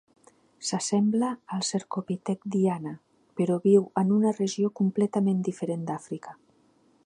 S'assembla al cercopitec diana, però viu en una regió completament diferent d'Àfrica.